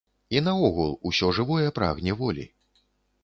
І наогул, усё жывое прагне волі.